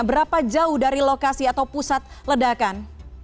berapa jauh dari lokasi atau pusat ledakan